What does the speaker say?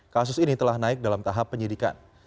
kasus ini telah naik dalam tahap penyidikan